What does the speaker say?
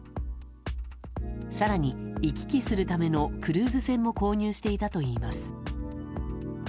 更に、行き来するためのクルーズ船も購入していたといいます。